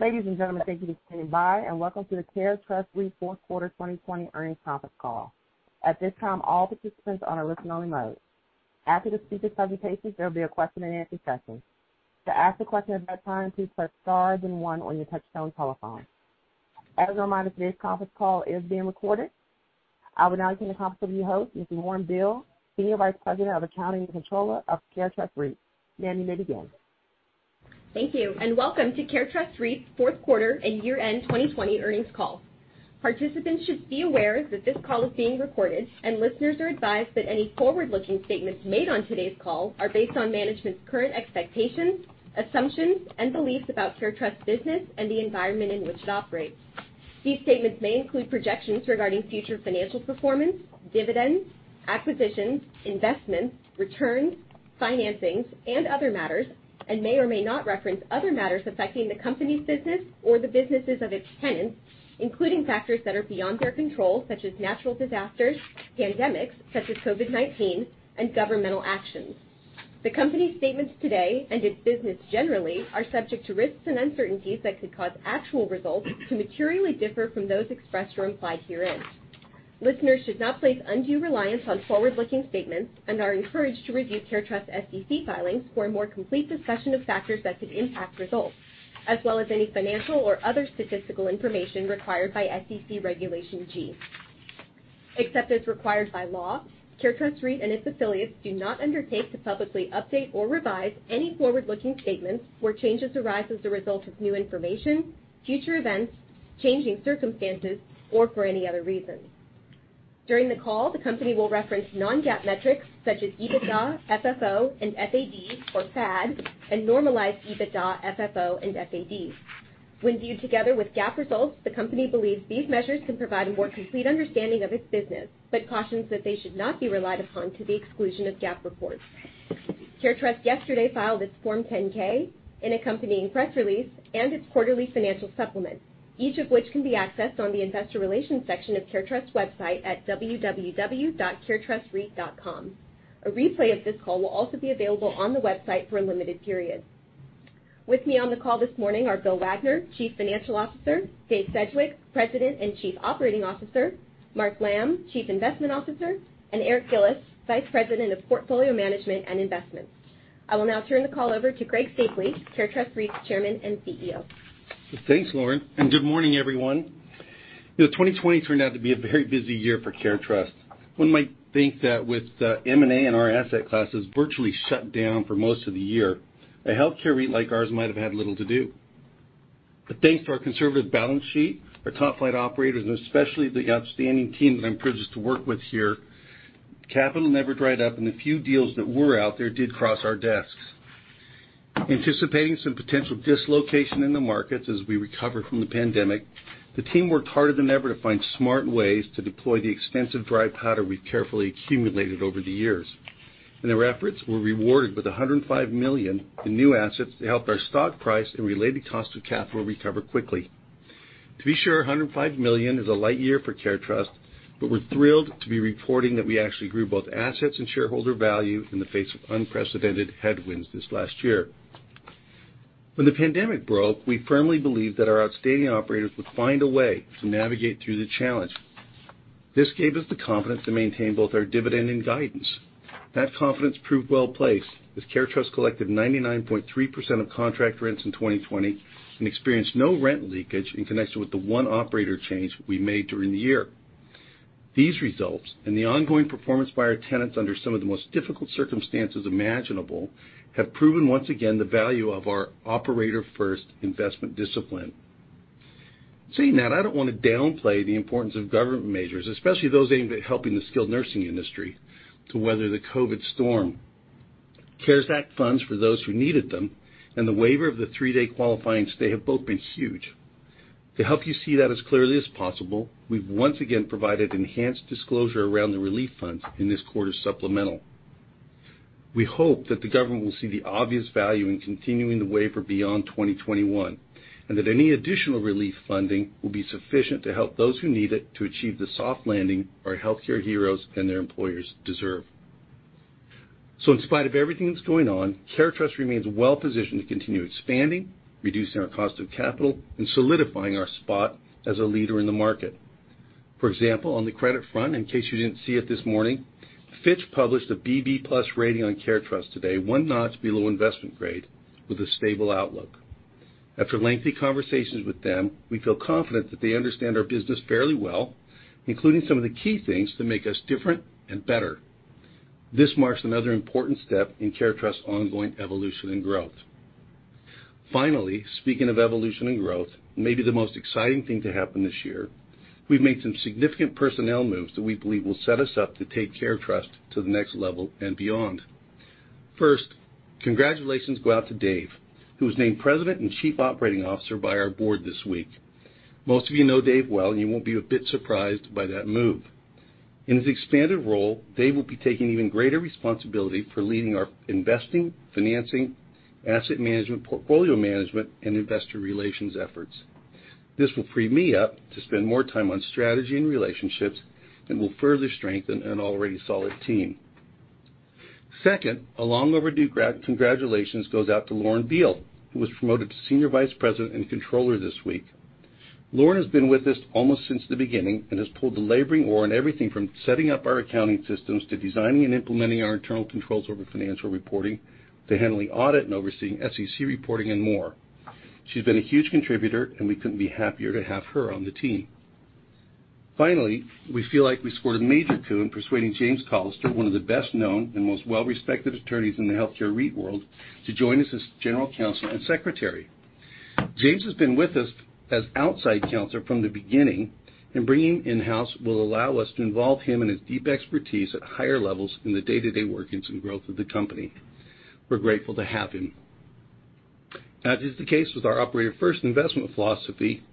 Ladies and gentlemen, thank you for standing by, and welcome to the CareTrust REIT Fourth Quarter 2020 Earnings Conference Call. At this time, all participants are on a listen-only mode. After the speakers' presentations, there will be a question-and-answer session. To ask a question at that time, please press star then one on your touchtone telephone. As a reminder, today's conference call is being recorded. I would now turn the conference over to your host, Ms. Lauren Beale, Senior Vice President of Accounting and Controller of CareTrust REIT. Ma'am, you may begin. Thank you, and welcome to CareTrust REIT's fourth quarter and year-end 2020 earnings call. Participants should be aware that this call is being recorded, and listeners are advised that any forward-looking statements made on today's call are based on management's current expectations, assumptions, and beliefs about CareTrust's business and the environment in which it operates. These statements may include projections regarding future financial performance, dividends, acquisitions, investments, returns, financings, and other matters, and may or may not reference other matters affecting the company's business or the businesses of its tenants, including factors that are beyond their control, such as natural disasters, pandemics such as COVID-19, and governmental actions. The company's statements today, and its business generally, are subject to risks and uncertainties that could cause actual results to materially differ from those expressed or implied herein. Listeners should not place undue reliance on forward-looking statements and are encouraged to review CareTrust's SEC filings for a more complete discussion of factors that could impact results, as well as any financial or other statistical information required by SEC Regulation G. Except as required by law, CareTrust REIT and its affiliates do not undertake to publicly update or revise any forward-looking statements where changes arise as a result of new information, future events, changing circumstances, or for any other reason. During the call, the company will reference non-GAAP metrics such as EBITDA, FFO, and FAD, or FAD, and normalize EBITDA, FFO, and FAD. When viewed together with GAAP results, the company believes these measures can provide a more complete understanding of its business but cautions that they should not be relied upon to the exclusion of GAAP reports. CareTrust yesterday filed its Form 10-K, an accompanying press release, and its quarterly financial supplement, each of which can be accessed on the investor relations section of CareTrust's website at www.caretrustreit.com. A replay of this call will also be available on the website for a limited period. With me on the call this morning are Bill Wagner, Chief Financial Officer, Dave Sedgwick, President and Chief Operating Officer, Mark Lamb, Chief Investment Officer, and Eric Gillis, Vice President of Portfolio Management and Investments. I will now turn the call over to Greg Stapley, CareTrust REIT's Chairman and CEO. Thanks, Lauren, and good morning, everyone. 2020 turned out to be a very busy year for CareTrust. One might think that with M&A and our asset classes virtually shut down for most of the year, a healthcare REIT like ours might have had little to do. Thanks to our conservative balance sheet, our top-flight operators, and especially the outstanding team that I'm privileged to work with here, capital never dried up and the few deals that were out there did cross our desks. Anticipating some potential dislocation in the markets as we recover from the pandemic, the team worked harder than ever to find smart ways to deploy the extensive dry powder we've carefully accumulated over the years, and their efforts were rewarded with $105 million in new assets that helped our stock price and related cost of capital recover quickly. To be sure, $105 million is a light year for CareTrust, but we're thrilled to be reporting that we actually grew both assets and shareholder value in the face of unprecedented headwinds this last year. When the pandemic broke, we firmly believed that our outstanding operators would find a way to navigate through the challenge. This gave us the confidence to maintain both our dividend and guidance. That confidence proved well-placed, as CareTrust collected 99.3% of contract rents in 2020 and experienced no rent leakage in connection with the one operator change we made during the year. These results and the ongoing performance by our tenants under some of the most difficult circumstances imaginable have proven once again the value of our operator-first investment discipline. I don't want to downplay the importance of government measures, especially those aimed at helping the skilled nursing industry to weather the COVID storm. CARES Act funds for those who needed them and the waiver of the three-day qualifying stay have both been huge. To help you see that as clearly as possible, we've once again provided enhanced disclosure around the relief funds in this quarter's supplemental. We hope that the government will see the obvious value in continuing the waiver beyond 2021, and that any additional relief funding will be sufficient to help those who need it to achieve the soft landing our healthcare heroes and their employers deserve. In spite of everything that's going on, CareTrust remains well-positioned to continue expanding, reducing our cost of capital, and solidifying our spot as a leader in the market. For example, on the credit front, in case you didn't see it this morning, Fitch published a BB+ rating on CareTrust today, one notch below investment grade, with a stable outlook. After lengthy conversations with them, we feel confident that they understand our business fairly well, including some of the key things that make us different and better. This marks another important step in CareTrust's ongoing evolution and growth. Finally, speaking of evolution and growth, maybe the most exciting thing to happen this year, we've made some significant personnel moves that we believe will set us up to take CareTrust to the next level and beyond. First, congratulations go out to Dave, who was named President and Chief Operating Officer by our board this week. Most of you know Dave well, and you won't be a bit surprised by that move. In his expanded role, Dave will be taking even greater responsibility for leading our investing, financing, asset management, portfolio management, and investor relations efforts. This will free me up to spend more time on strategy and relationships and will further strengthen an already solid team. Second, a long overdue congratulations goes out to Lauren Beale, who was promoted to Senior Vice President and Controller this week. Lauren has been with us almost since the beginning and has pulled the laboring oar on everything from setting up our accounting systems to designing and implementing our internal controls over financial reporting, to handling audit and overseeing SEC reporting and more. She's been a huge contributor, and we couldn't be happier to have her on the team. Finally, we feel like we scored a major coup in persuading James Callister, one of the best-known and most well-respected attorneys in the healthcare REIT world, to join us as General Counsel and Secretary, James has been with us as outside counsel from the beginning and bringing him in-house will allow us to involve him and his deep expertise at higher levels in the day-to-day workings and growth of the company. We're grateful to have him. As is the case with our operator first investment philosophy,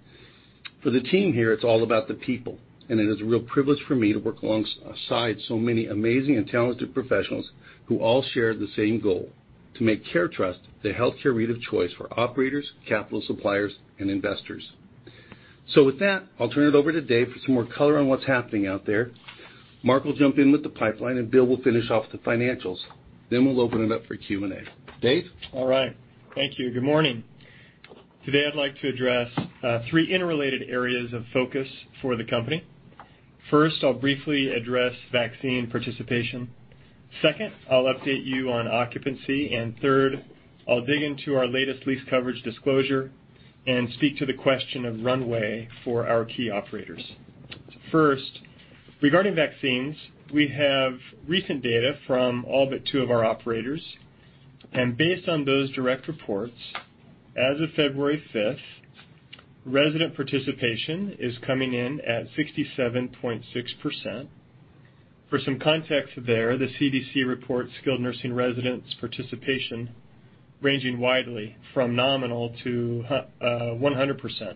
for the team here, it's all about the people, it is a real privilege for me to work alongside so many amazing and talented professionals who all share the same goal: to make CareTrust the healthcare REIT of choice for operators, capital suppliers, and investors. With that, I'll turn it over to Dave for some more color on what's happening out there. Mark will jump in with the pipeline, and Bill will finish off the financials. We'll open it up for Q&A. Dave? All right. Thank you. Good morning. Today, I'd like to address three interrelated areas of focus for the company. First, I'll briefly address vaccine participation. Second, I'll update you on occupancy, and third, I'll dig into our latest lease coverage disclosure and speak to the question of runway for our key operators. First, regarding vaccines, we have recent data from all but two of our operators. Based on those direct reports, as of February 5th, resident participation is coming in at 67.6%. For some context there, the CDC reports skilled nursing residents participation ranging widely from nominal to 100%,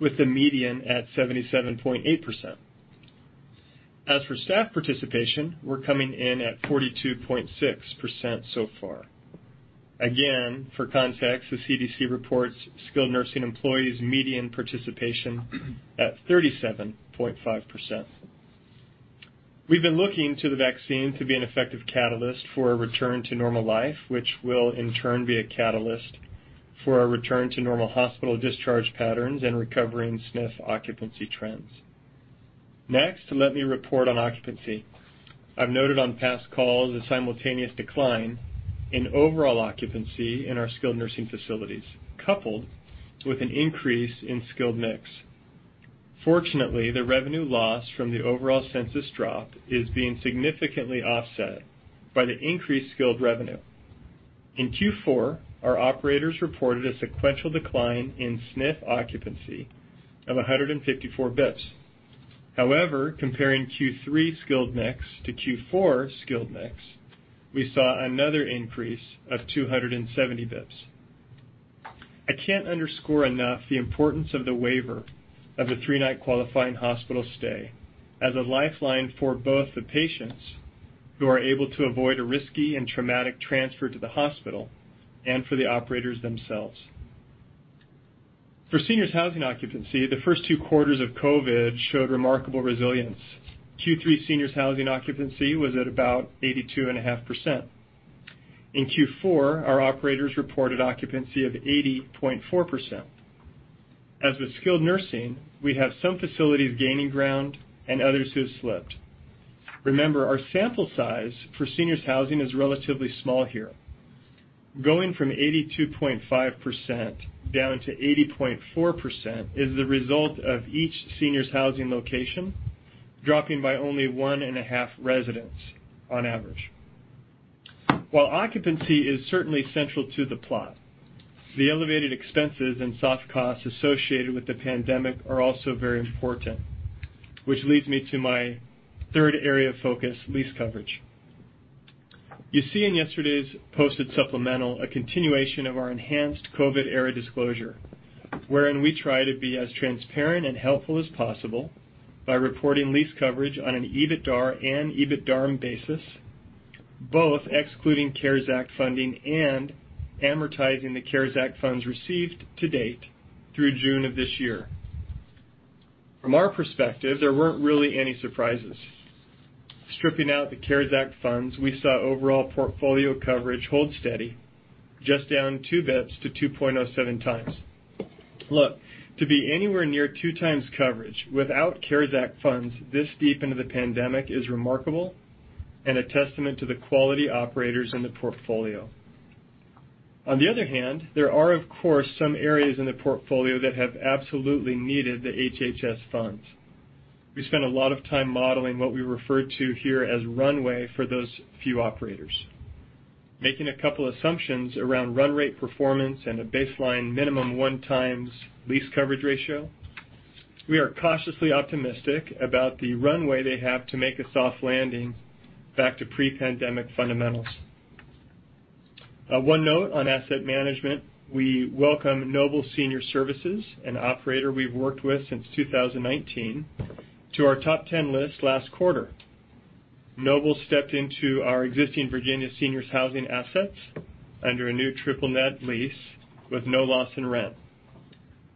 with the median at 77.8%. As for staff participation, we're coming in at 42.6% so far. Again, for context, the CDC reports skilled nursing employees' median participation at 37.5%. We've been looking to the vaccine to be an effective catalyst for a return to normal life, which will, in turn, be a catalyst for a return to normal hospital discharge patterns and recovering SNF occupancy trends. Next, let me report on occupancy. I've noted on past calls a simultaneous decline in overall occupancy in our skilled nursing facilities, coupled with an increase in skilled mix. Fortunately, the revenue loss from the overall census drop is being significantly offset by the increased skilled revenue. In Q4, our operators reported a sequential decline in SNF occupancy of 154 bps. However, comparing Q3 skilled mix to Q4 skilled mix, we saw another increase of 270 bps. I can't underscore enough the importance of the waiver of the three-night qualifying hospital stay as a lifeline for both the patients who are able to avoid a risky and traumatic transfer to the hospital and for the operators themselves. For seniors' housing occupancy, the first two quarters of COVID showed remarkable resilience. Q3 seniors' housing occupancy was at about 82.5%. In Q4, our operators reported occupancy of 80.4%. As with skilled nursing, we have some facilities gaining ground and others who have slipped. Remember, our sample size for seniors' housing is relatively small here. Going from 82.5% down to 80.4% is the result of each seniors' housing location dropping by only 1.5 residents on average. While occupancy is certainly central to the plot, the elevated expenses and soft costs associated with the pandemic are also very important. Which leads me to my third area of focus, lease coverage. You see in yesterday's posted supplemental a continuation of our enhanced COVID era disclosure, wherein we try to be as transparent and helpful as possible by reporting lease coverage on an EBITDAR and EBITDARM basis, both excluding CARES Act funding and amortizing the CARES Act funds received to date through June of this year. From our perspective, there weren't really any surprises. Stripping out the CARES Act funds, we saw overall portfolio coverage hold steady, just down 2 bps to 2.07x. Look, to be anywhere near 2x coverage without CARES Act funds this deep into the pandemic is remarkable and a testament to the quality operators in the portfolio. On the other hand, there are, of course, some areas in the portfolio that have absolutely needed the HHS funds. We spent a lot of time modeling what we refer to here as runway for those few operators. Making a couple assumptions around run rate performance and a baseline minimum 1x lease coverage ratio, we are cautiously optimistic about the runway they have to make a soft landing back to pre-pandemic fundamentals. One note on asset management. We welcome Noble Senior Services, an operator we've worked with since 2019, to our top 10 list last quarter. Noble stepped into our existing Virginia seniors' housing assets under a new triple net lease with no loss in rent.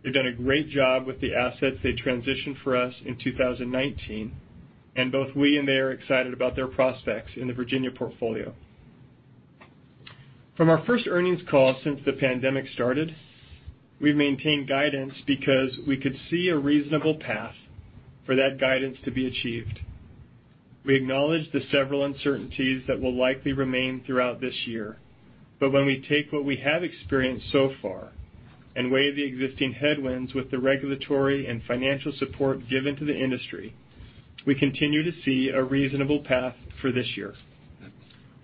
They've done a great job with the assets they transitioned for us in 2019, and both we and they are excited about their prospects in the Virginia portfolio. From our first earnings call since the pandemic started, we've maintained guidance because we could see a reasonable path for that guidance to be achieved. We acknowledge the several uncertainties that will likely remain throughout this year, but when we take what we have experienced so far and weigh the existing headwinds with the regulatory and financial support given to the industry, we continue to see a reasonable path for this year.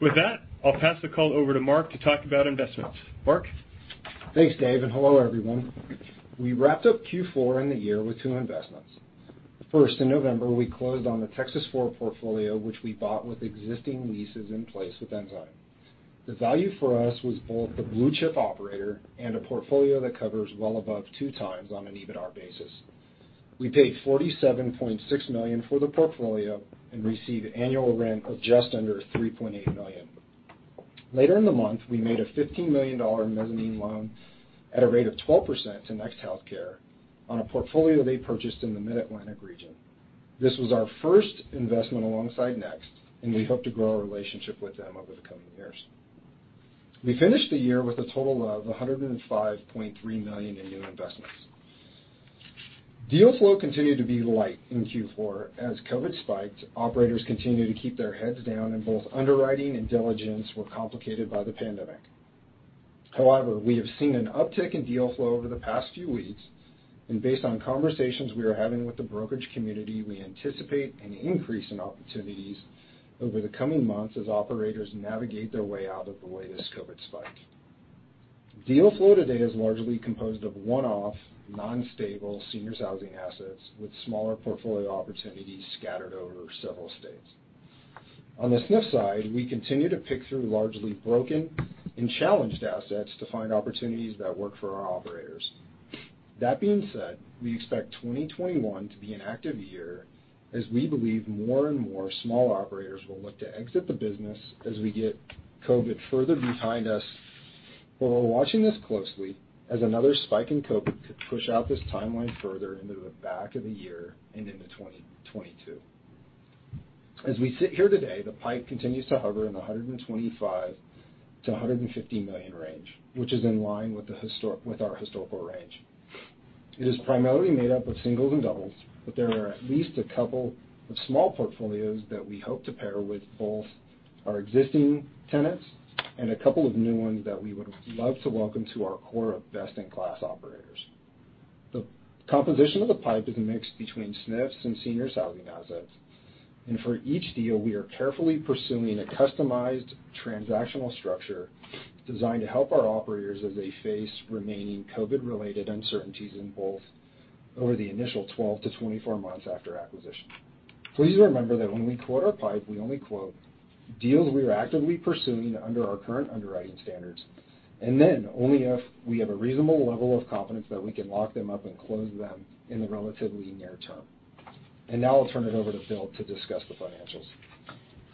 With that, I'll pass the call over to Mark to talk about investments. Mark? Thanks, Dave, and hello, everyone. We wrapped up Q4 and the year with two investments. First, in November, we closed on the Texas four portfolio, which we bought with existing leases in place with Ensign. The value for us was both the blue-chip operator and a portfolio that covers well above two times on an EBITDAR basis. We paid $47.6 million for the portfolio and receive annual rent of just under $3.8 million. Later in the month, we made a $15 million mezzanine loan at a rate of 12% to Next Healthcare on a portfolio they purchased in the Mid-Atlantic region. This was our first investment alongside Next, and we hope to grow our relationship with them over the coming years. We finished the year with a total of $105.3 million in new investments. Deal flow continued to be light in Q4. As COVID spiked, operators continued to keep their heads down, and both underwriting and diligence were complicated by the pandemic. However, we have seen an uptick in deal flow over the past few weeks, and based on conversations we are having with the brokerage community, we anticipate an increase in opportunities over the coming months as operators navigate their way out of the way this COVID spiked. Deal flow to date is largely composed of one-off, non-stable seniors housing assets with smaller portfolio opportunities scattered over several states. On the SNF side, we continue to pick through largely broken and challenged assets to find opportunities that work for our operators. That being said, we expect 2021 to be an active year as we believe more and more small operators will look to exit the business as we get COVID further behind us. We're watching this closely, as another spike in COVID could push out this timeline further into the back of the year and into 2022. As we sit here today, the pipe continues to hover in the $125 million-$150 million range, which is in line with our historical range. It is primarily made up of singles and doubles, but there are at least a couple of small portfolios that we hope to pair with both our existing tenants and a couple of new ones that we would love to welcome to our core of best-in-class operators. The composition of the pipe is a mix between SNFs and seniors housing assets, and for each deal, we are carefully pursuing a customized transactional structure designed to help our operators as they face remaining COVID-19-related uncertainties in both over the initial 12-24 months after acquisition. Please remember that when we quote our pipe, we only quote deals we are actively pursuing under our current underwriting standards, and then only if we have a reasonable level of confidence that we can lock them up and close them in the relatively near term. Now I'll turn it over to Bill to discuss the financials.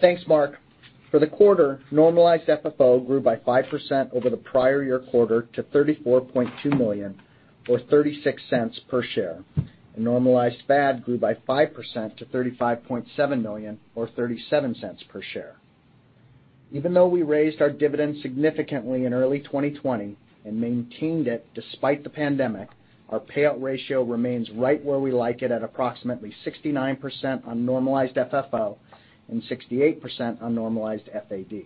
Thanks, Mark. For the quarter, normalized FFO grew by 5% over the prior year quarter to $34.2 million or $0.36 per share, and normalized FAD grew by 5% to $35.7 million or $0.37 per share. Even though we raised our dividend significantly in early 2020 and maintained it despite the pandemic, our payout ratio remains right where we like it at approximately 69% on normalized FFO and 68% on normalized FAD.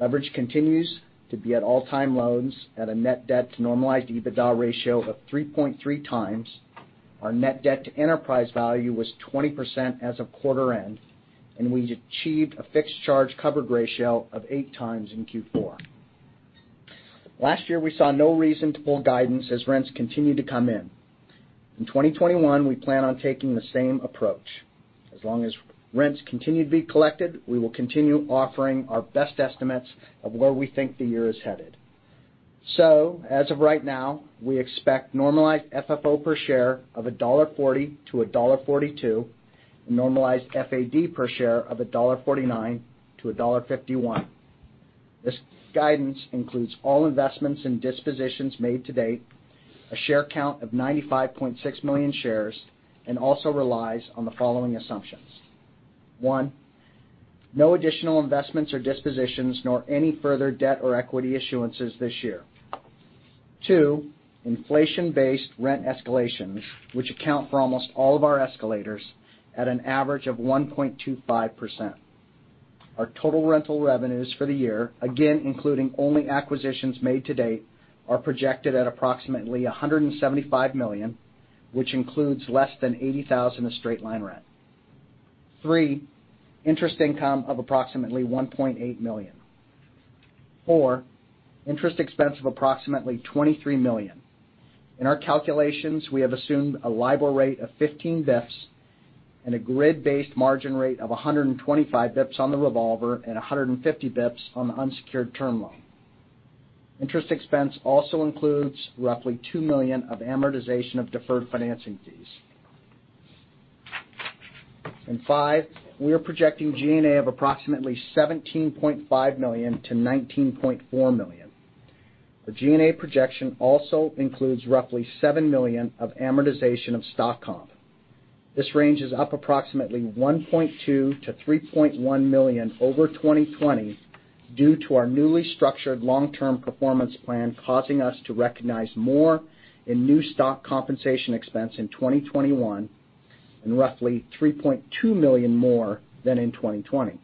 Leverage continues to be at all-time lows at a net debt to normalized EBITDA ratio of 3.3x. Our net debt to enterprise value was 20% as of quarter end, and we achieved a fixed charge coverage ratio of 8x in Q4. Last year, we saw no reason to pull guidance as rents continued to come in. In 2021, we plan on taking the same approach. As long as rents continue to be collected, we will continue offering our best estimates of where we think the year is headed. As of right now, we expect normalized FFO per share of $1.40-$1.42, and normalized FAD per share of $1.49-$1.51. This guidance includes all investments and dispositions made to date, a share count of 95.6 million shares, and also relies on the following assumptions. One, no additional investments or dispositions, nor any further debt or equity issuances this year. Two, inflation-based rent escalations, which account for almost all of our escalators at an average of 1.25%. Our total rental revenues for the year, again, including only acquisitions made to date, are projected at approximately $175 million, which includes less than $80,000 of straight-line rent. Three, interest income of approximately $1.8 million. Four, interest expense of approximately $23 million. In our calculations, we have assumed a LIBOR rate of 15 bps and a grid-based margin rate of 125 bps on the revolver and 150 bps on the unsecured term loan. Interest expense also includes roughly $2 million of amortization of deferred financing fees. Five, we are projecting G&A of approximately $17.5 million-$19.4 million. The G&A projection also includes roughly $7 million of amortization of stock comp. This range is up approximately $1.2 million-$3.1 million over 2020 due to our newly structured long-term performance plan causing us to recognize more in new stock compensation expense in 2021 and roughly $3.2 million more than in 2020.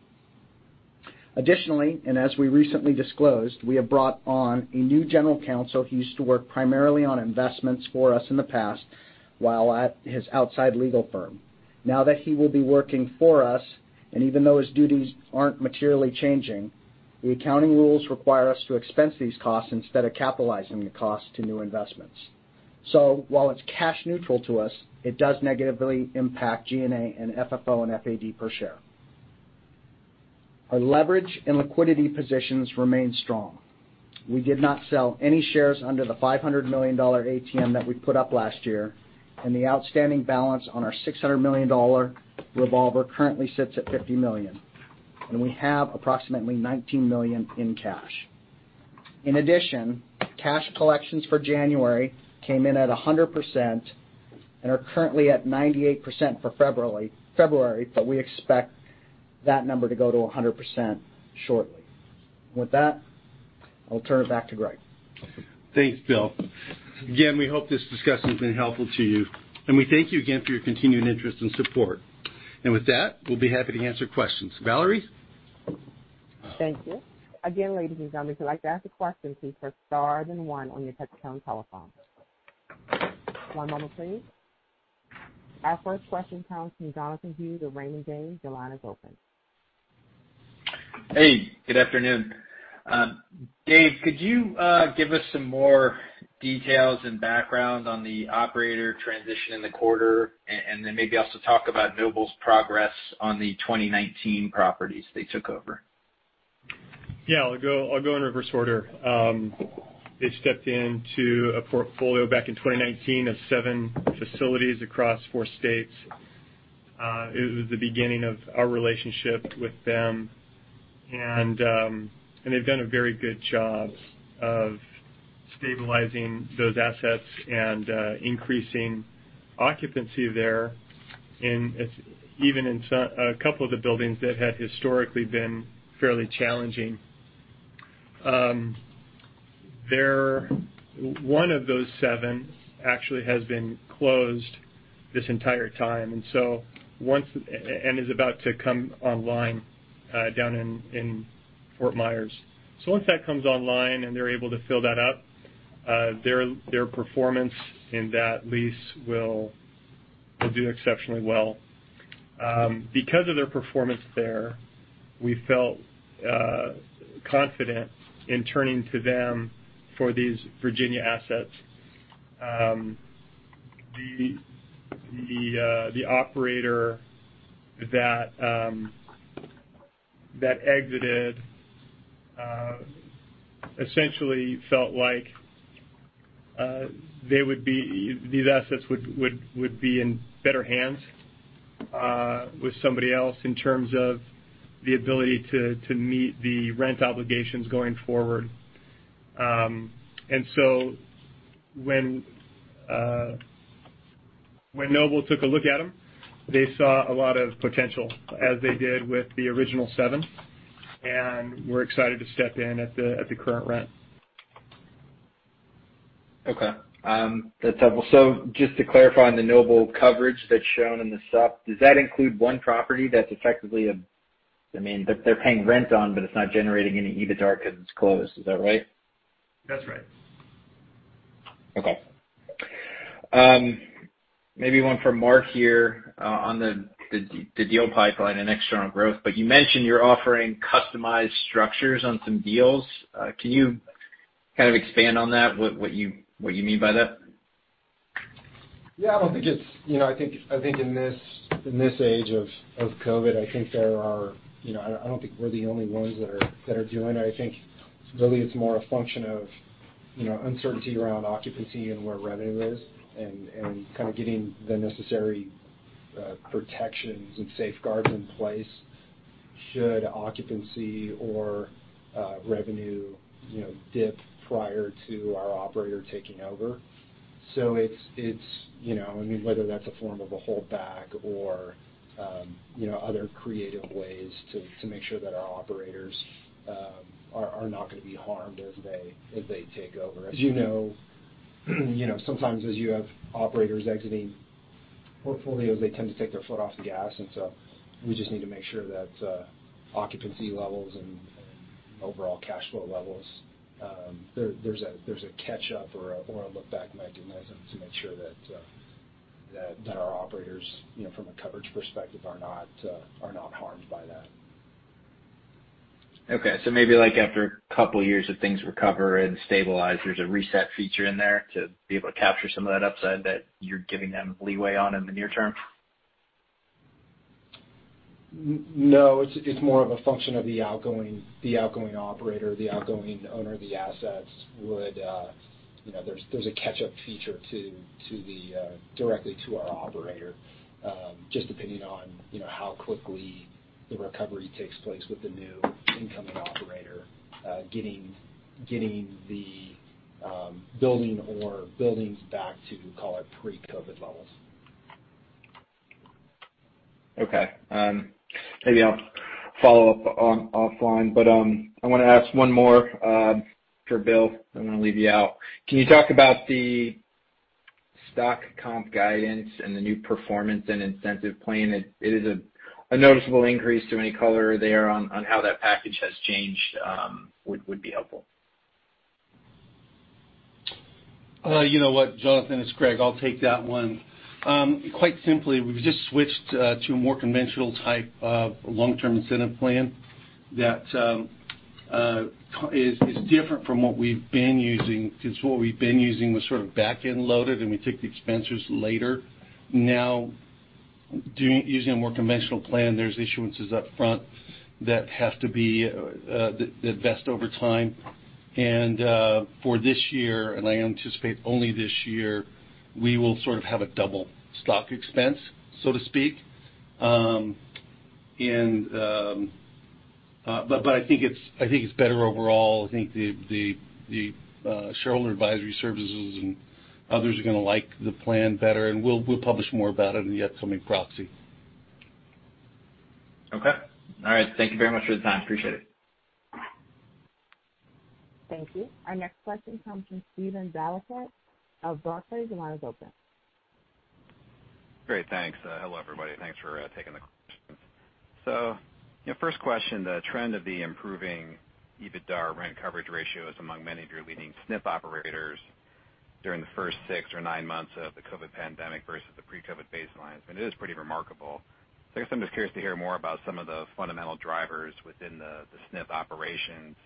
Additionally, as we recently disclosed, we have brought on a new general counsel. He used to work primarily on investments for us in the past while at his outside legal firm. Now that he will be working for us, even though his duties aren't materially changing, the accounting rules require us to expense these costs instead of capitalizing the cost to new investments. While it's cash neutral to us, it does negatively impact G&A and FFO and FAD per share. Our leverage and liquidity positions remain strong. We did not sell any shares under the $500 million ATM that we put up last year, and the outstanding balance on our $600 million revolver currently sits at $50 million. We have approximately $19 million in cash. In addition, cash collections for January came in at 100% and are currently at 98% for February, but we expect that number to go to 100% shortly. With that, I'll turn it back to Greg. Thanks, Bill. Again, we hope this discussion has been helpful to you, and we thank you again for your continuing interest and support. With that, we'll be happy to answer questions. Valerie? Thank you. Our first question comes from Jonathan Hughes of Raymond James. Your line is open. Hey, good afternoon. Dave, could you give us some more details and background on the operator transition in the quarter, and then maybe also talk about Noble's progress on the 2019 properties they took over? Yeah. I'll go in reverse order. They stepped into a portfolio back in 2019 of seven facilities across four states. It was the beginning of our relationship with them, and they've done a very good job of stabilizing those assets and increasing occupancy there, even in a couple of the buildings that had historically been fairly challenging. One of those seven actually has been closed this entire time, and is about to come online down in Fort Myers. Once that comes online and they're able to fill that up, their performance in that lease will do exceptionally well. Because of their performance there, we felt confident in turning to them for these Virginia assets. The operator that exited essentially felt like these assets would be in better hands with somebody else in terms of the ability to meet the rent obligations going forward. When Noble took a look at them, they saw a lot of potential, as they did with the original seven, and we're excited to step in at the current rent. That's helpful. Just to clarify on the Noble coverage that's shown in the sup, does that include one property that's effectively a. They're paying rent on, but it's not generating any EBITDAR because it's closed. Is that right? That's right. Okay. Maybe one for Mark here on the deal pipeline and external growth, but you mentioned you're offering customized structures on some deals. Can you kind of expand on that, what you mean by that? Yeah. I think in this age of COVID, I don't think we're the only ones that are doing it. I think really it's more a function of uncertainty around occupancy and where revenue is and kind of getting the necessary protections and safeguards in place should occupancy or revenue dip prior to our operator taking over. Whether that's a form of a holdback or other creative ways to make sure that our operators are not going to be harmed as they take over. As you know, sometimes as you have operators exiting portfolios, they tend to take their foot off the gas, we just need to make sure that occupancy levels and overall cash flow levels, there's a catch-up or a look-back mechanism to make sure that our operators from a coverage perspective are not harmed by that. Okay, maybe after a couple of years if things recover and stabilize, there's a reset feature in there to be able to capture some of that upside that you're giving them leeway on in the near term? No, it's more of a function of the outgoing operator, the outgoing owner of the assets. There's a catch-up feature directly to our operator, just depending on how quickly the recovery takes place with the new incoming operator getting the building or buildings back to, call it, pre-COVID levels. Okay. Maybe I'll follow up offline, but I want to ask one more for Bill. I'm going to leave you out. Can you talk about the stock comp guidance and the new performance and incentive plan? It is a noticeable increase to any color there on how that package has changed would be helpful. You know what, Jonathan? It's Greg. I'll take that one. Quite simply, we've just switched to a more conventional type of long-term incentive plan that is different from what we've been using, because what we've been using was sort of back-end loaded, and we took the expenses later. Now, using a more conventional plan, there's issuances up front that vest over time. For this year, and I anticipate only this year, we will sort of have a double stock expense, so to speak. I think it's better overall. I think the shareholder advisory services and others are going to like the plan better, and we'll publish more about it in the upcoming proxy. Okay. All right. Thank you very much for the time. Appreciate it. Thank you. Our next question comes from Steven Valiquette of Barclays. Your line is open. Great. Thanks. Hello, everybody. Thanks for taking the questions. First question, the trend of the improving EBITDA rent coverage ratios among many of your leading SNF operators during the first six or nine months of the COVID pandemic versus the pre-COVID baselines, I mean, it is pretty remarkable. I guess I'm just curious to hear more about some of the fundamental drivers within the SNF operations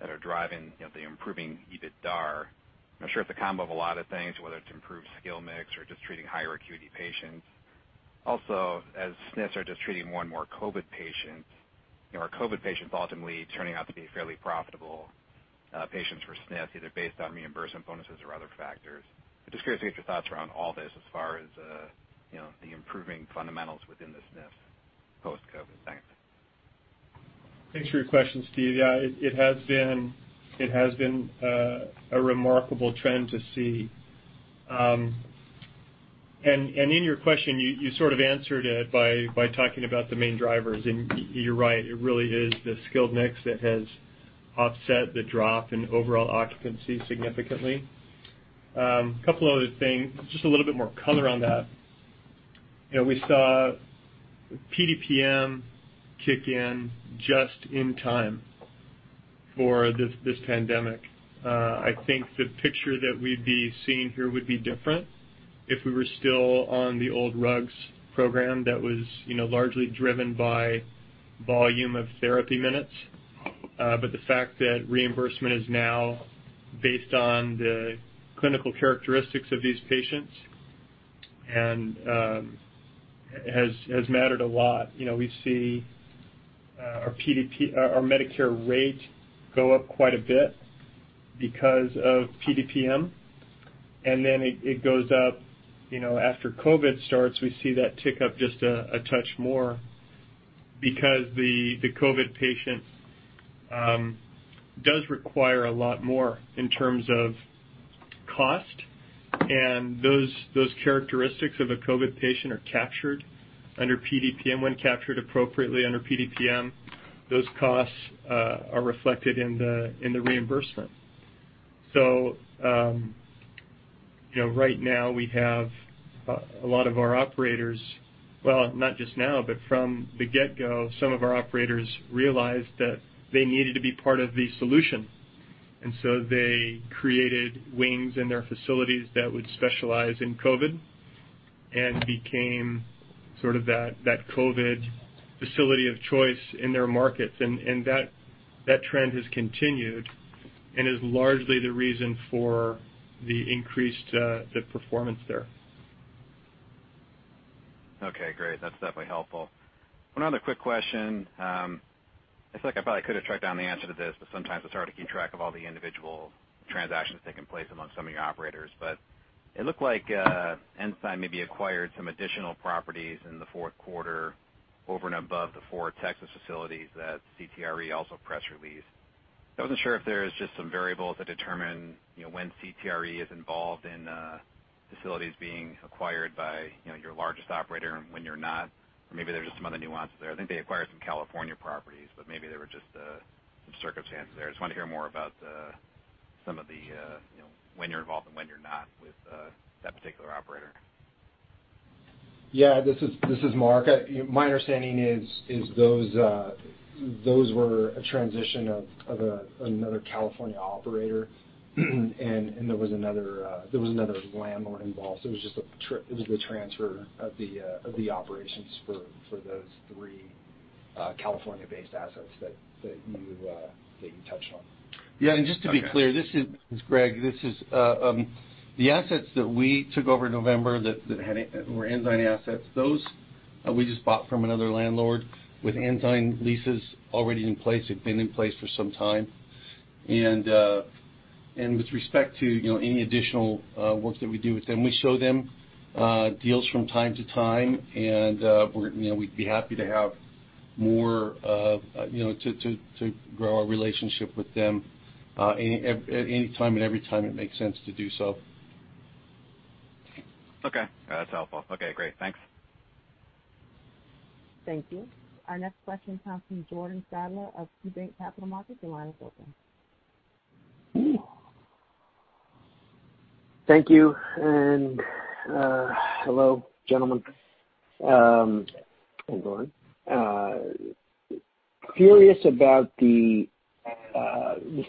that are driving the improving EBITDAR. I'm sure it's a combo of a lot of things, whether it's improved skill mix or just treating higher acuity patients. Also, as SNFs are just treating more and more COVID patients, are COVID patients ultimately turning out to be fairly profitable patients for SNF, either based on reimbursement bonuses or other factors? I'm just curious to get your thoughts around all this as far as the improving fundamentals within the SNF post-COVID. Thanks. Thanks for your question, Steve. Yeah, it has been a remarkable trend to see. In your question, you sort of answered it by talking about the main drivers, and you're right, it really is the skilled mix that has offset the drop in overall occupancy significantly. Couple other things, just a little bit more color on that. We saw PDPM kick in just in time for this pandemic. I think the picture that we'd be seeing here would be different if we were still on the old RUGs program that was largely driven by volume of therapy minutes. The fact that reimbursement is now based on the clinical characteristics of these patients has mattered a lot. We see our Medicare rate go up quite a bit because of PDPM, then it goes up after COVID starts, we see that tick up just a touch more because the COVID patient does require a lot more in terms of cost, and those characteristics of a COVID patient are captured under PDPM. When captured appropriately under PDPM, those costs are reflected in the reimbursement. Right now, we have a lot of our operators, well, not just now, but from the get-go, some of our operators realized that they needed to be part of the solution. They created wings in their facilities that would specialize in COVID and became sort of that COVID facility of choice in their markets. That trend has continued and is largely the reason for the increased performance there. Okay, great. That's definitely helpful. One other quick question. I feel like I probably could've tracked down the answer to this, sometimes it's hard to keep track of all the individual transactions taking place among some of your operators. It looked like Ensign maybe acquired some additional properties in the fourth quarter over and above the four Texas facilities that CTRE also press released. I wasn't sure if there's just some variables that determine when CTRE is involved in facilities being acquired by your largest operator and when you're not, maybe there's just some other nuances there. I think they acquired some California properties, maybe there were just some circumstances there. I just wanted to hear more about when you're involved and when you're not with that particular operator. Yeah. This is Mark. My understanding is those were a transition of another California operator, and there was another landlord involved, so it was the transfer of the operations for those three. California-based assets that you touched on. Yeah. Just to be clear, this is Greg. The assets that we took over in November that were Ensign assets, those we just bought from another landlord with Ensign leases already in place. They've been in place for some time. With respect to any additional work that we do with them, we show them deals from time to time, and we'd be happy to have more to grow our relationship with them any time and every time it makes sense to do so. Okay. That's helpful. Okay, great. Thanks. Thank you. Our next question comes from Jordan Sadler of KeyBanc Capital Markets. Your line is open. Thank you. Hello, gentlemen. Curious about the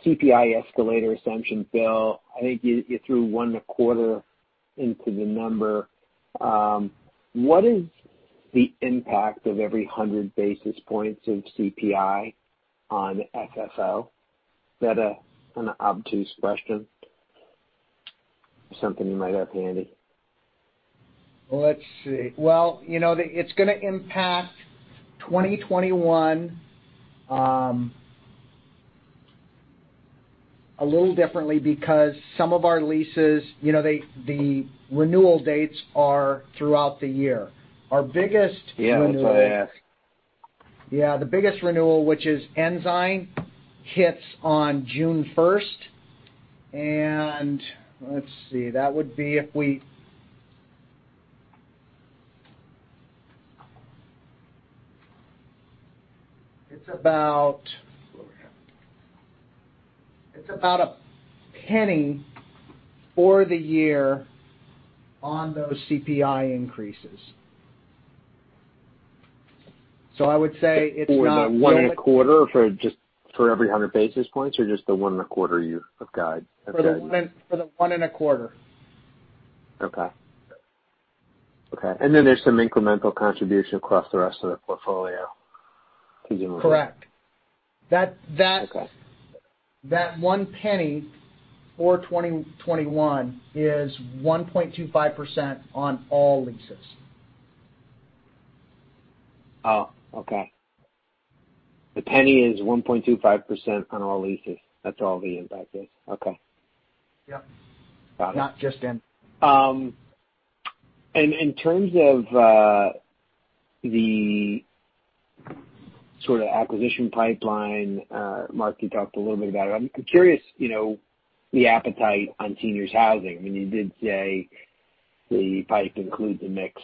CPI escalator assumption. Bill, I think you threw one a quarter into the number. What is the impact of every 100 basis points of CPI on FFO? Is that an obtuse question? Something you might have handy? Let's see. Well, it's going to impact 2021 a little differently because some of our leases, the renewal dates are throughout the year. Our biggest renewal. Yeah, that's why I asked. Yeah, the biggest renewal, which is Ensign, hits on June 1st, let's see, that would be It's about $0.01 for the year on those CPI increases. For the 1.25% for just every 100 basis points or just the 1.25% You have guided? For the 1.25%. Okay. There's some incremental contribution across the rest of the portfolio to the number. Correct. Okay. That $0.01 for 2021 is 1.25% on all leases. Oh, okay. The penny is 1.25% on all leases. That's all the impact is. Okay. Yep. Got it. Not just in. In terms of the sort of acquisition pipeline, Mark, you talked a little bit about it. I'm curious, the appetite on seniors housing. I mean, you did say the pipe includes a mix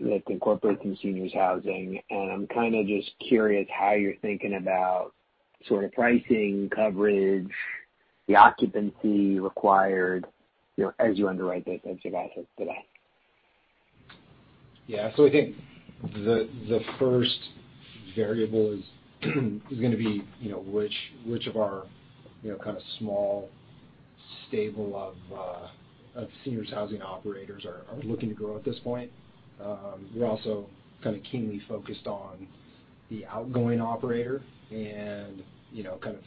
that incorporates some seniors housing, and I'm kind of just curious how you're thinking about sort of pricing, coverage, the occupancy required, as you underwrite those types of assets today. Yeah. I think the first variable is going to be which of our kind of small stable of seniors housing operators are looking to grow at this point. We're also kind of keenly focused on the outgoing operator and kind of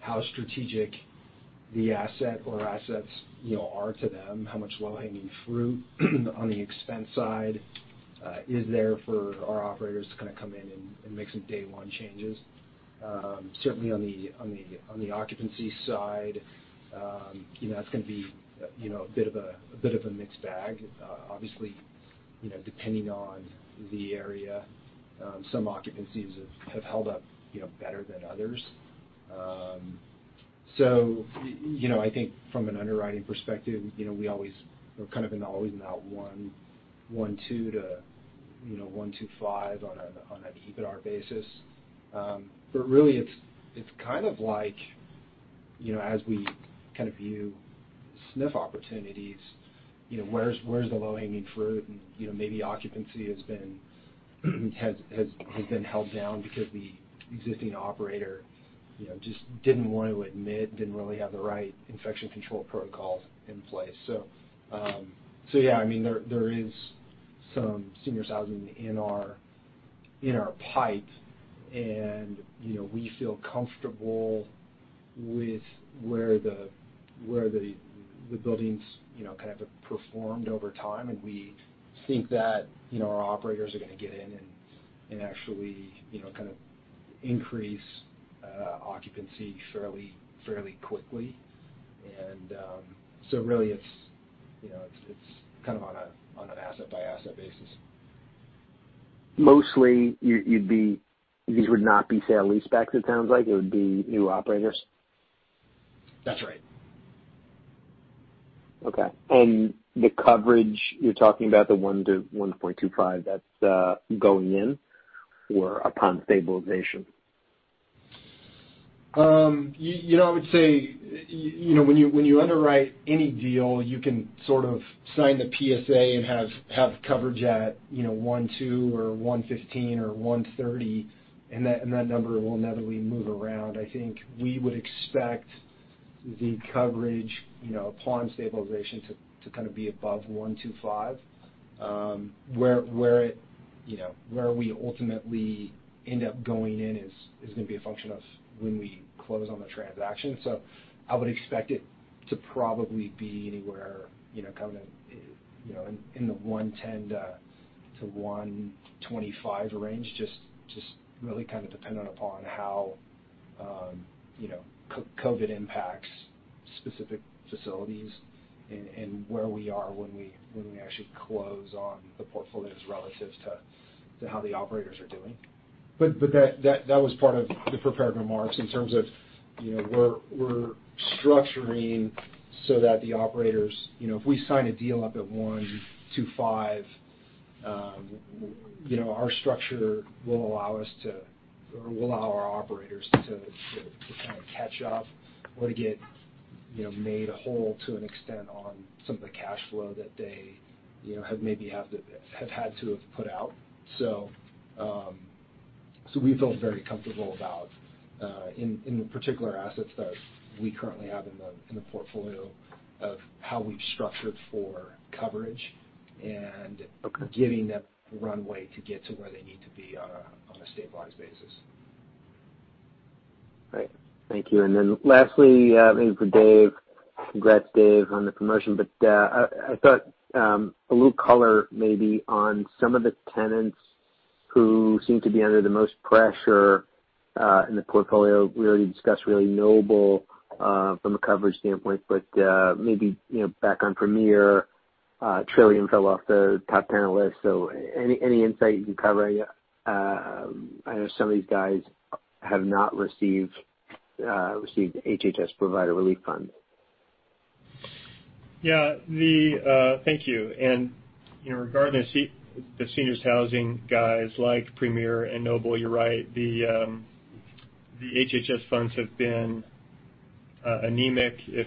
how strategic the asset or assets are to them, how much low-hanging fruit on the expense side is there for our operators to kind of come in and make some day one changes. Certainly on the occupancy side, that's going to be a bit of a mixed bag. Obviously, depending on the area, some occupancies have held up better than others. I think from an underwriting perspective, we're kind of in always in that 1.2x-1.5x on an EBITDAR basis. Really it's kind of like as we kind of view SNF opportunities, where's the low-hanging fruit and maybe occupancy has been held down because the existing operator just didn't want to admit, didn't really have the right infection control protocols in place. Yeah, I mean, there is some seniors housing in our pipe and we feel comfortable with where the buildings kind of have performed over time, and we think that our operators are going to get in and actually kind of increase occupancy fairly quickly. Really it's kind of on an asset-by-asset basis. Mostly, these would not be sale-leasebacks, it sounds like. It would be new operators? That's right. Okay. The coverage, you're talking about the 1-1.25, that's going in or upon stabilization? I would say when you underwrite any deal, you can sort of sign the PSA and have coverage at 1.2 or 1.15 or 1.30, and that number will inevitably move around. The coverage upon stabilization to be above 125. Where we ultimately end up going in is going to be a function of when we close on the transaction. I would expect it to probably be anywhere, coming in the 110-125 range, just really dependent upon how COVID-19 impacts specific facilities and where we are when we actually close on the portfolios relative to how the operators are doing. That was part of the prepared remarks in terms of we're structuring so that the operators, if we sign a deal up at 125, our structure will allow our operators to kind of catch up or to get made whole to an extent on some of the cash flow that they have maybe have had to have put out. We feel very comfortable about, in the particular assets that we currently have in the portfolio, of how we've structured for coverage. Okay giving them runway to get to where they need to be on a stabilized basis. Great. Thank you. Lastly, maybe for Dave. Congrats, Dave, on the promotion, I thought a little color maybe on some of the tenants who seem to be under the most pressure in the portfolio. We already discussed really Noble from a coverage standpoint, maybe back on Premier. Trillium fell off the top tenant list, any insight you can cover? I know some of these guys have not received HHS provider relief fund. Yeah. Thank you. Regarding the seniors housing guys like Premier and Noble, you're right. The HHS funds have been anemic, if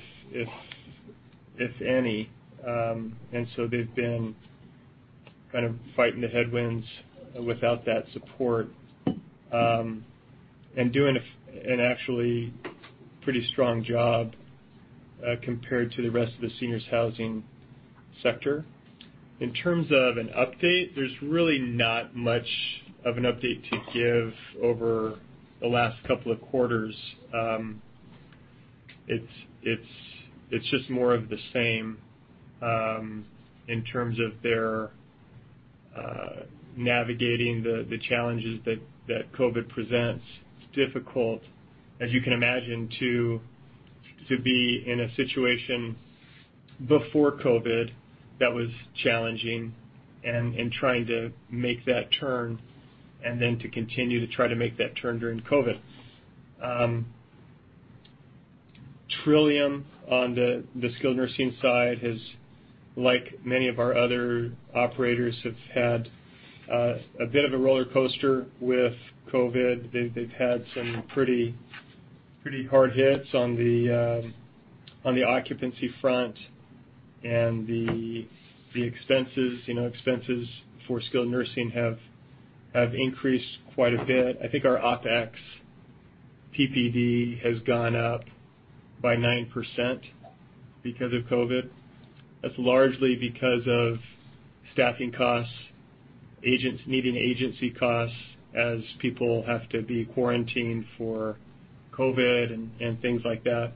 any. They've been kind of fighting the headwinds without that support, and doing an actually pretty strong job compared to the rest of the seniors housing sector. In terms of an update, there's really not much of an update to give over the last couple of quarters. It's just more of the same in terms of their navigating the challenges that COVID presents. It's difficult, as you can imagine, to be in a situation before COVID that was challenging and trying to make that turn, and then to continue to try to make that turn during COVID. Trillium on the skilled nursing side has, like many of our other operators, have had a bit of a roller coaster with COVID. They've had some pretty hard hits on the occupancy front. The expenses for skilled nursing have increased quite a bit. I think our OpEx PPD has gone up by 9% because of COVID. That's largely because of staffing costs, needing agency costs as people have to be quarantined for COVID and things like that.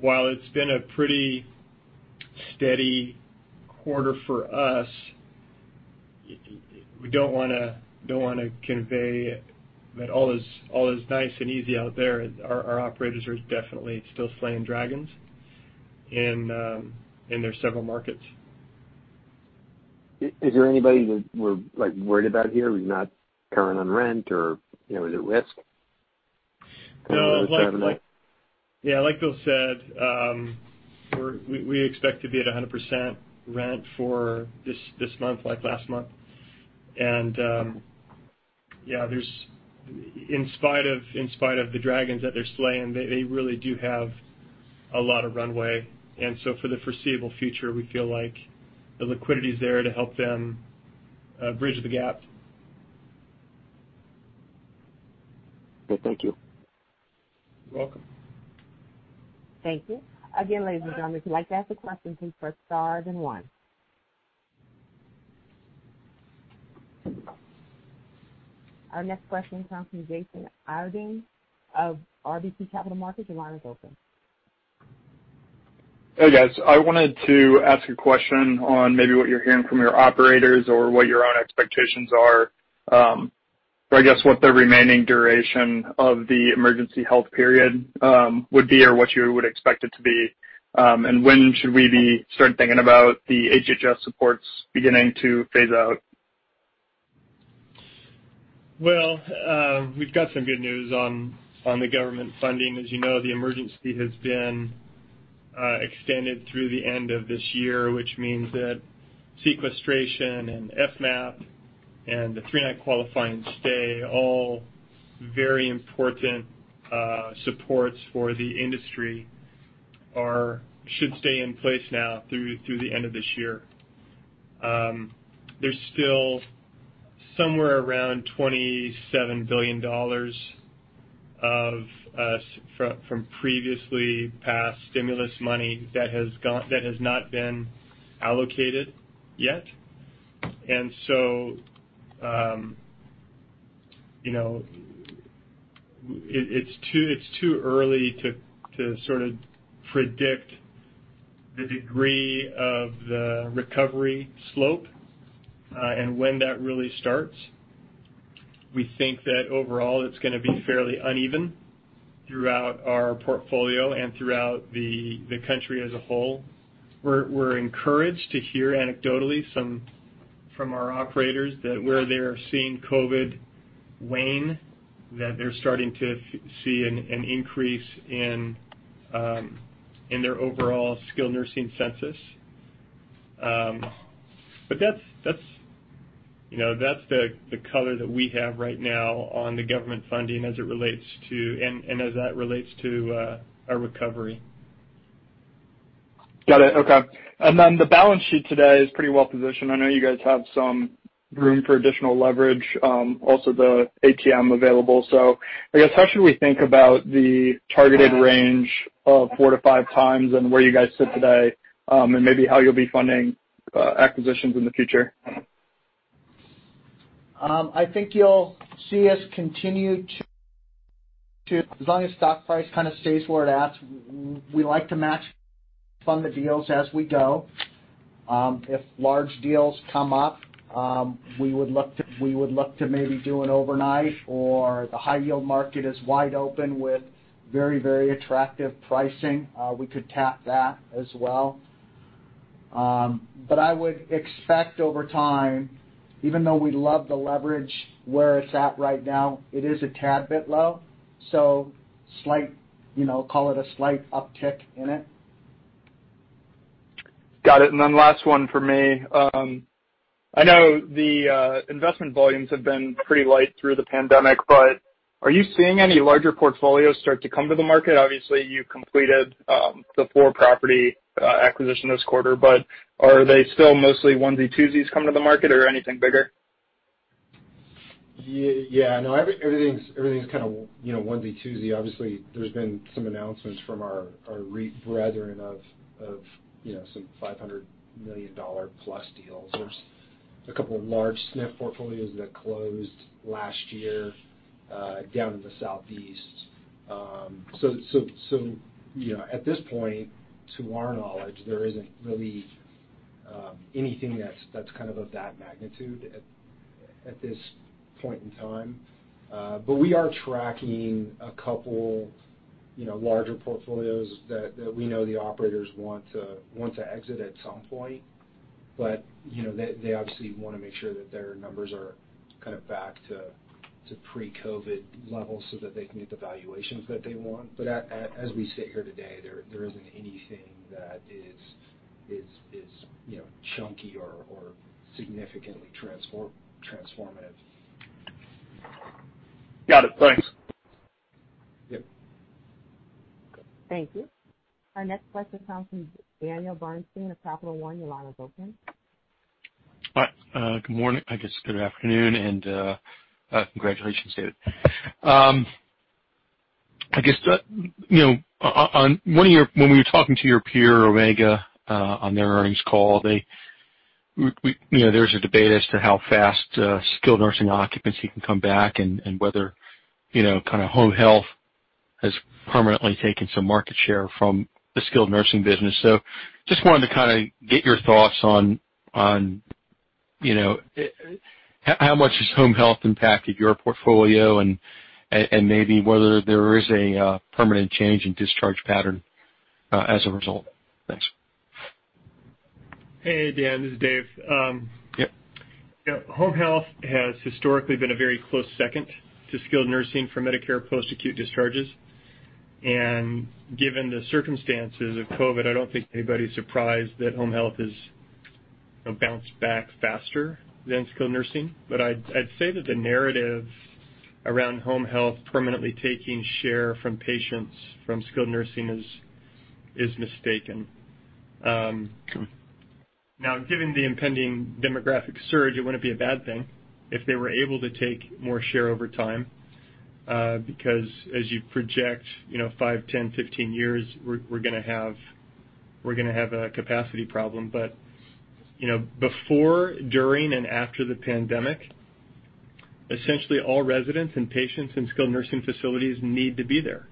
While it's been a pretty steady quarter for us, we don't want to convey that all is nice and easy out there. Our operators are definitely still slaying dragons in their several markets. Is there anybody that we're worried about here who's not current on rent or is at risk? Yeah. Like Bill said, we expect to be at 100% rent for this month like last month. In spite of the dragons that they're slaying, they really do have a lot of runway. For the foreseeable future, we feel like the liquidity is there to help them bridge the gap. Okay. Thank you. You're welcome. Thank you. Again, ladies and gentlemen, if you'd like to ask a question, please press star then one. Our next question comes from Jason Idoine of RBC Capital Markets. Your line is open. Hey, guys. I wanted to ask a question on maybe what you're hearing from your operators or what your own expectations are. I guess what the remaining duration of the emergency health period would be or what you would expect it to be? When should we start thinking about the HHS supports beginning to phase out? Well, we've got some good news on the government funding. As you know, the emergency has been extended through the end of this year, which means that sequestration and FMAP and the three-night qualifying stay, all very important supports for the industry, should stay in place now through the end of this year. There's still somewhere around $27 billion of from previously passed stimulus money that has not been allocated yet. So, it's too early to sort of predict the degree of the recovery slope, and when that really starts. We think that overall, it's going to be fairly uneven throughout our portfolio and throughout the country as a whole. We're encouraged to hear anecdotally from our operators that where they're seeing COVID wane, that they're starting to see an increase in their overall skilled nursing census. That's the color that we have right now on the government funding as it relates to, and as that relates to our recovery. Got it. Okay. The balance sheet today is pretty well positioned. I know you guys have some room for additional leverage, also the ATM available. I guess how should we think about the targeted range of 4x-5x, and where you guys sit today, and maybe how you'll be funding acquisitions in the future? I think you'll see us continue to, as long as stock price kind of stays where it's at, we like to match fund the deals as we go. If large deals come up, we would look to maybe do an overnight, or the high yield market is wide open with very attractive pricing. We could tap that as well. I would expect over time, even though we love the leverage where it's at right now, it is a tad bit low, so call it a slight uptick in it. Got it. Last one from me. I know the investment volumes have been pretty light through the pandemic. Are you seeing any larger portfolios start to come to the market? Obviously, you completed the four-property acquisition this quarter. Are they still mostly onesie-twosies coming to the market or anything bigger? Yeah, no, everything's kind of onesie-twosie. Obviously, there's been some announcements from our REIT brethren of some $500 million plus deals. There's a couple of large SNF portfolios that closed last year, down in the southeast. At this point, to our knowledge, there isn't really anything that's of that magnitude at this point in time. We are tracking a couple larger portfolios that we know the operators want to exit at some point. They obviously want to make sure that their numbers are kind of back to pre-COVID levels so that they can get the valuations that they want. As we sit here today, there isn't anything that is chunky or significantly transformative. Got it. Thanks. Yep. Thank you. Our next question comes from Daniel Bernstein of Capital One. Your line is open. Hi, good morning, I guess good afternoon, and congratulations, David. I guess, when we were talking to your peer, Omega, on their earnings call, there's a debate as to how fast skilled nursing occupancy can come back and whether home health has permanently taken some market share from the skilled nursing business. Just wanted to get your thoughts on how much has home health impacted your portfolio and maybe whether there is a permanent change in discharge pattern as a result. Thanks. Hey, Dan. This is Dave. Yep. Home health has historically been a very close second to skilled nursing for Medicare post-acute discharges. Given the circumstances of COVID-19, I don't think anybody's surprised that home health has bounced back faster than skilled nursing. I'd say that the narrative around home health permanently taking share from patients from skilled nursing is mistaken. Okay. Now, given the impending demographic surge, it wouldn't be a bad thing if they were able to take more share over time. As you project, five, 10, 15 years, we're going to have a capacity problem. Before, during, and after the pandemic, essentially all residents and patients in skilled nursing facilities need to be there.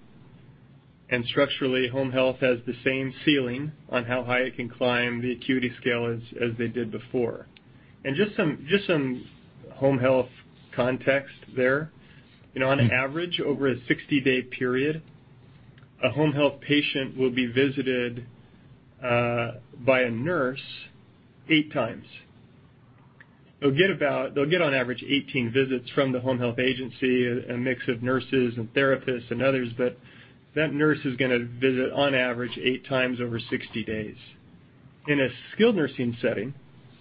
Structurally, home health has the same ceiling on how high it can climb the acuity scale as they did before. Just some home health context there. On average, over a 60-day period, a home health patient will be visited by a nurse eight times. They'll get on average 18 visits from the home health agency, a mix of nurses and therapists and others, but that nurse is going to visit, on average, eight times over 60 days. In a skilled nursing setting,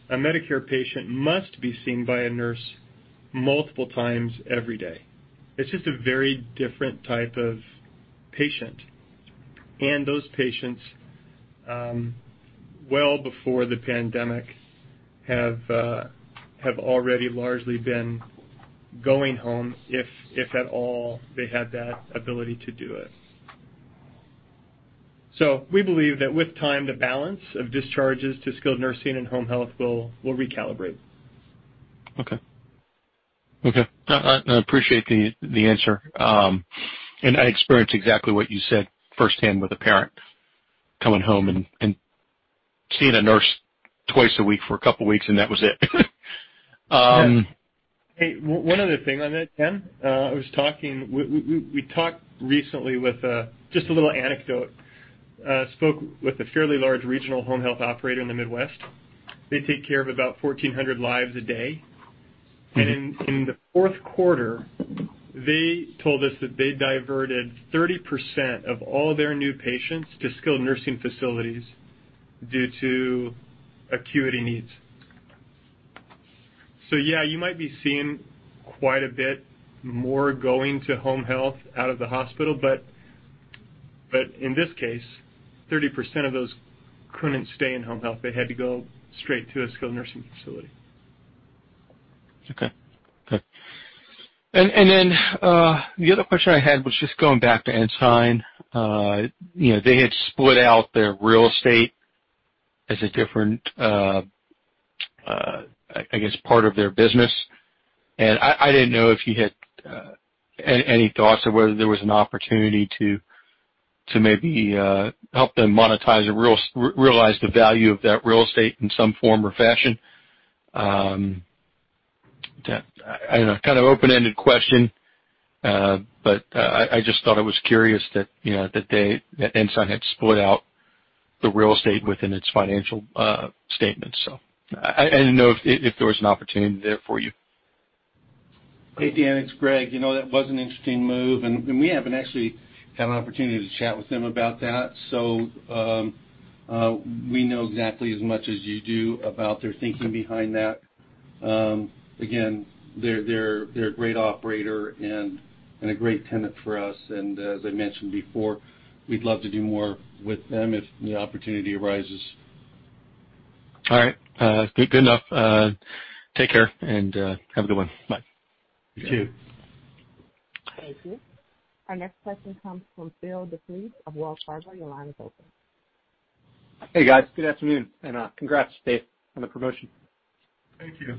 a Medicare patient must be seen by a nurse multiple times every day. It's just a very different type of patient. Those patients, well before the pandemic, have already largely been going home, if at all, they had that ability to do it. We believe that with time, the balance of discharges to skilled nursing and home health will recalibrate. Okay. I appreciate the answer. I experienced exactly what you said firsthand with a parent coming home and seeing a nurse twice a week for a couple of weeks, and that was it. Yeah. Hey, one other thing on that, Dan. Just a little anecdote. Spoke with a fairly large regional home health operator in the Midwest. They take care of about 1,400 lives a day. In the fourth quarter, they told us that they diverted 30% of all their new patients to skilled nursing facilities due to acuity needs. Yeah, you might be seeing quite a bit more going to home health out of the hospital, but in this case, 30% of those couldn't stay in home health. They had to go straight to a skilled nursing facility. Okay. The other question I had was just going back to Ensign. They had split out their real estate as a different, I guess, part of their business. I didn't know if you had any thoughts of whether there was an opportunity to maybe help them monetize or realize the value of that real estate in some form or fashion. I don't know, kind of open-ended question. I just thought it was curious that Ensign had split out the real estate within its financial statements. I didn't know if there was an opportunity there for you. Hey, Dan, it's Greg. That was an interesting move, and we haven't actually had an opportunity to chat with them about that. We know exactly as much as you do about their thinking behind that. Again, they're a great operator and a great tenant for us. As I mentioned before, we'd love to do more with them if the opportunity arises. All right. Good enough. Take care, and have a good one. Bye. You too. Thank you. Our next question comes from Theo Zaferiou of Wells Fargo. Your line is open. Hey, guys. Good afternoon, and congrats, Dave, on the promotion. Thank you.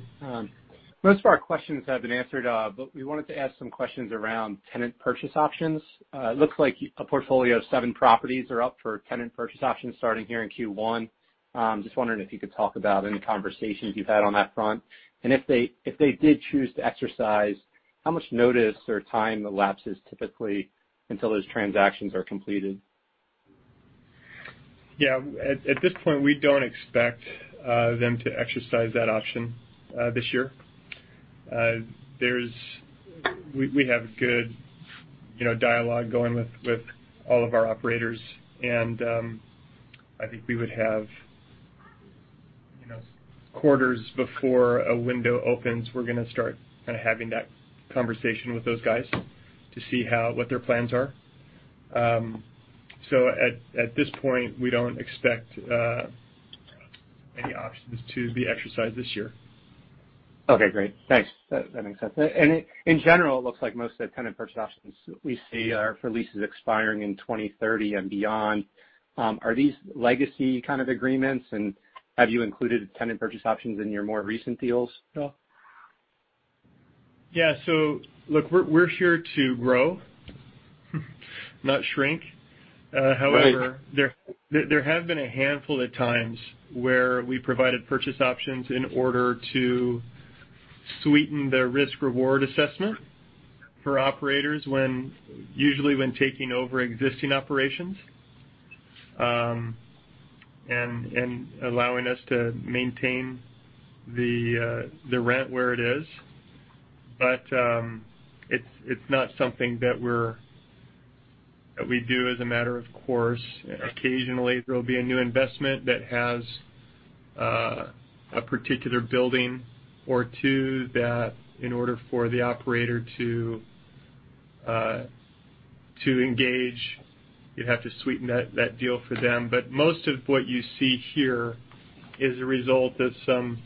Most of our questions have been answered. We wanted to ask some questions around tenant purchase options. It looks like a portfolio of seven properties are up for tenant purchase options starting here in Q1. Just wondering if you could talk about any conversations you've had on that front. If they did choose to exercise, how much notice or time elapses typically until those transactions are completed? Yeah. At this point, we don't expect them to exercise that option this year. I think we would have quarters before a window opens, we're going to start kind of having that conversation with those guys to see what their plans are. At this point, we don't expect any options to be exercised this year. Okay, great. Thanks. That makes sense. In general, it looks like most of the tenant purchase options we see are for leases expiring in 2030 and beyond. Are these legacy kind of agreements, and have you included tenant purchase options in your more recent deals at all? Yeah. Look, we're here to grow, not shrink. There have been a handful of times where we provided purchase options in order to sweeten the risk/reward assessment for operators, usually when taking over existing operations, and allowing us to maintain the rent where it is. It's not something that we do as a matter of course. Occasionally, there'll be a new investment that has a particular building or two that in order for the operator to engage, you'd have to sweeten that deal for them. Most of what you see here is a result of some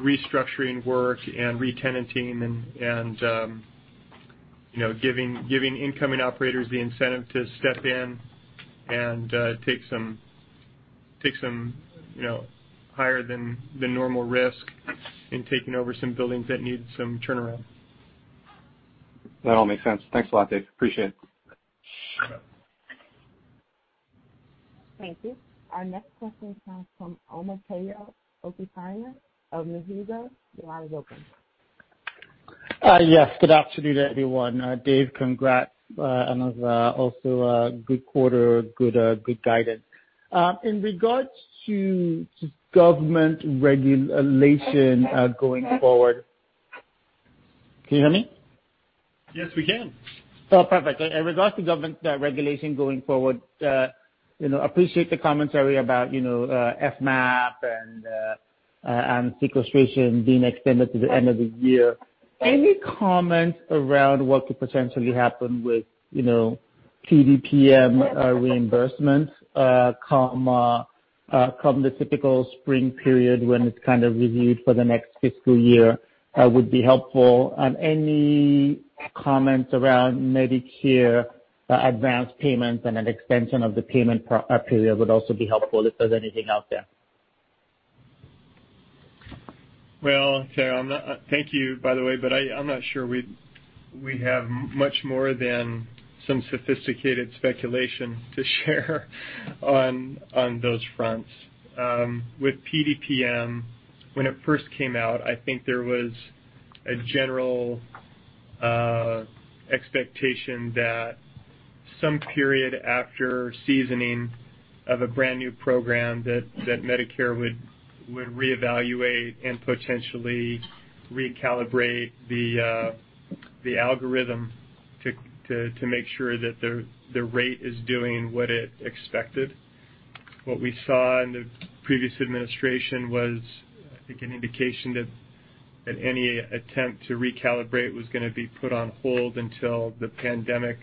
restructuring work and re-tenanting and giving incoming operators the incentive to step in and take some higher than normal risk in taking over some buildings that need some turnaround. That all makes sense. Thanks a lot, Dave. Appreciate it. Thank you. Our next question comes from Omotayo Okusanya of Mizuho. Your line is open. Yes, good afternoon, everyone. Dave, congrats. Also a good quarter, good guidance. In regards to government regulation going forward. Can you hear me? Yes, we can. Oh, perfect. In regards to government regulation going forward, appreciate the commentary about FMAP and sequestration being extended to the end of the year. Any comments around what could potentially happen with PDPM reimbursements come the typical spring period when it's kind of reviewed for the next fiscal year would be helpful. Any comments around Medicare advance payments and an extension of the payment period would also be helpful if there's anything out there. Tayo, thank you by the way, but I'm not sure we have much more than some sophisticated speculation to share on those fronts. With PDPM, when it first came out, I think there was a general expectation that some period after seasoning of a brand-new program that Medicare would reevaluate and potentially recalibrate the algorithm to make sure that the rate is doing what it expected. What we saw in the previous administration was, I think, an indication that any attempt to recalibrate was going to be put on hold until the pandemic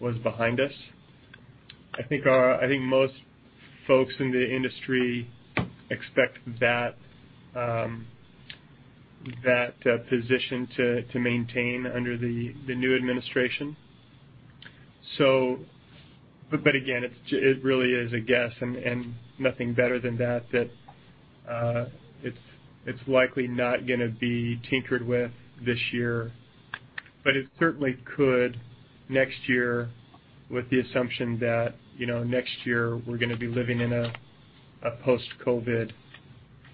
was behind us. I think most folks in the industry expect that position to maintain under the new administration. Again, it really is a guess and nothing better than that it's likely not going to be tinkered with this year. It certainly could next year with the assumption that next year we're going to be living in a post-COVID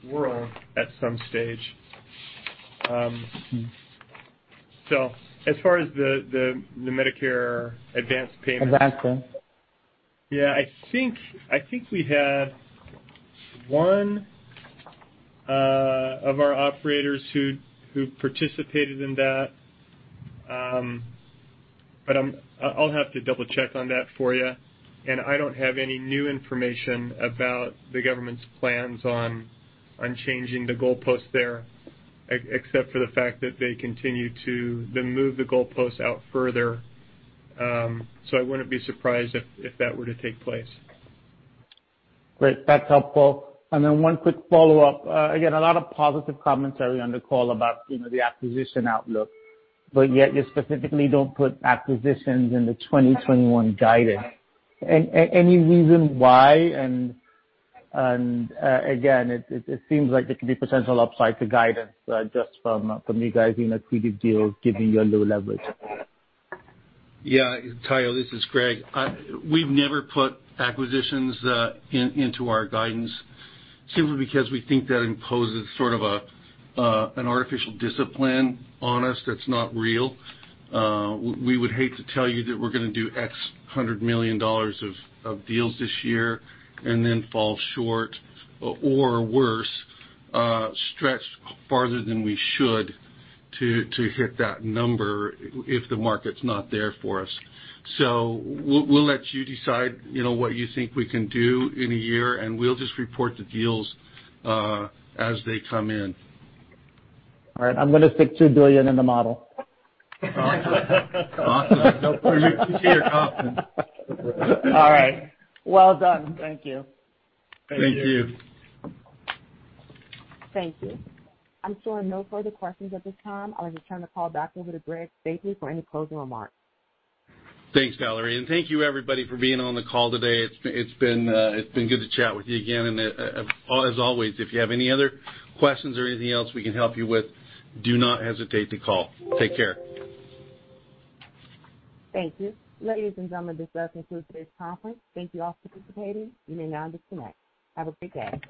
world at some stage. As far as the Medicare advance payments. Advance, yeah. Yeah, I think we had one of our operators who participated in that. I'll have to double-check on that for you. I don't have any new information about the government's plans on changing the goalpost there except for the fact that they continue to then move the goalpost out further. I wouldn't be surprised if that were to take place. Great. That's helpful. Then one quick follow-up. Again, a lot of positive commentary on the call about the acquisition outlook, yet you specifically don't put acquisitions in the 2021 guidance. Any reason why? Again, it seems like there could be potential upside to guidance just from you guys doing accretive deals giving you a low leverage. Yeah. Tayo, this is Greg. We've never put acquisitions into our guidance simply because we think that imposes sort of an artificial discipline on us that's not real. We would hate to tell you that we're going to do X hundred million dollars of deals this year and then fall short, or worse, stretch farther than we should to hit that number if the market's not there for us. We'll let you decide what you think we can do in a year, and we'll just report the deals as they come in. All right. I'm going to stick $2 billion in the model. Awesome. We appreciate your confidence. All right. Well done. Thank you. Thank you. Thank you. I'm showing no further questions at this time. I'll just turn the call back over to Greg Stapley for any closing remarks. Thanks, Valerie. Thank you everybody for being on the call today. It's been good to chat with you again, and as always, if you have any other questions or anything else we can help you with, do not hesitate to call. Take care. Thank you. Ladies and gentlemen, this does conclude today's conference. Thank you all for participating. You may now disconnect. Have a great day.